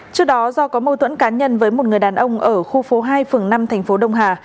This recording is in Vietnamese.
trước đó do có mâu tuẫn cá nhân với một người đàn ông ở khu phố hai phường năm tp đông hà